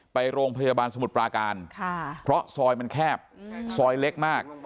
ไปโรงพยาบาลสมุทรปราการเพราะซอยมันแคบซอยเล็กมาก